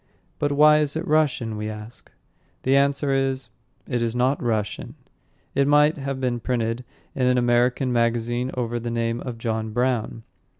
"But why is it Russian?" we ask. The answer is, "It is not Russian." It might have been printed in an American magazine over the name of John Brown.